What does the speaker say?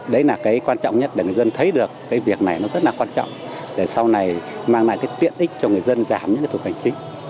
đấy là cái quan trọng nhất để người dân thấy được cái việc này nó rất là quan trọng để sau này mang lại cái tiện ích cho người dân giảm những cái thủ tục hành chính